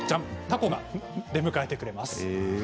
タコが出迎えてくれます。